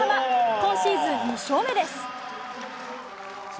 今シーズン２勝目です。